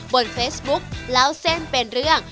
บนเฟซบุ๊กเล่าเส้นเป็นเรื่อง